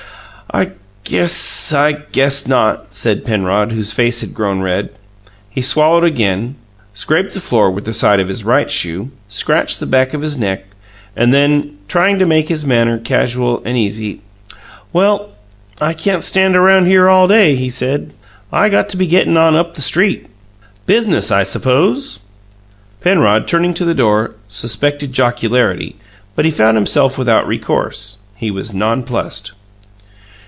"I guess I guess not," said Penrod, whose face had grown red. He swallowed again, scraped the floor with the side of his right shoe, scratched the back of his neck, and then, trying to make his manner casual and easy, "Well I can't stand around here all day," he said. "I got to be gettin' on up the street." "Business, I suppose?" Penrod, turning to the door, suspected jocularity, but he found himself without recourse; he was nonplussed.